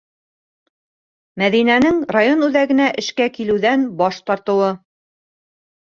Мәҙинәнең район үҙәгенә эшкә килеүҙән баш тартыуы.